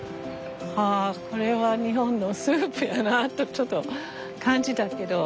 これは日本のスープやなあとちょっと感じたけど。